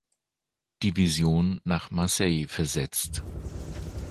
Division nach Marseille versetzt.